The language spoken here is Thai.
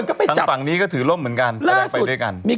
ไม่ถือร่ม